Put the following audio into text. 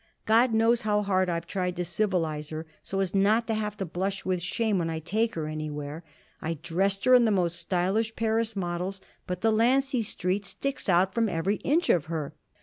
God knows how hard I tried to civilize her so as not to have to blush with shame when I take her anywhere. I dressed her in the most stylish Paris models, but Delancey Street sticks out from every inch of her.